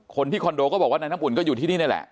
คอนโดก็บอกว่านายน้ำอุ่นก็อยู่ที่นี่นี่แหละ